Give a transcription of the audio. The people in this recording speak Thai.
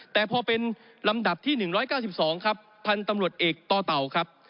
แต่พอเป็นลำดับที่๑๙๒ครับพันธุ์ตำรวจเอกต่อเต่าครับ